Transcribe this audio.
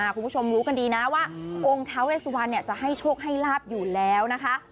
คุณผู้ชมรู้กันดีนะว่าองค์ท้าเวสวันจะให้โชคให้ลาบอยู่แล้วนะคะ